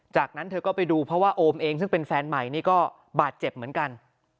จากนั้นเธอก็ไปดูเพราะว่าโอมเองซึ่งเป็นแฟนใหม่นี่ก็บาดเจ็บเหมือนกัน